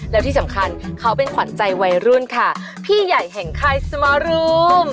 แล้วที่สำคัญเขาเป็นขวัญใจวัยรุ่นค่ะพี่ใหญ่แห่งค่ายสมอรูม